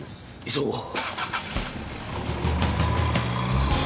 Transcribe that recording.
急ごう。